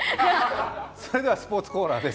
それではスポーツコーナーです。